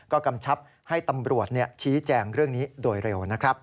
ก็กำชับให้ตำรวจชี้แจงเรื่องนี้โดยเร็วนะครับ